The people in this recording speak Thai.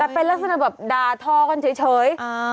แต่เป็นลักษณะแบบดาท่อกันเฉยเฉยอ่า